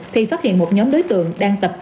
thì phát hiện một nhóm đối tượng đang tập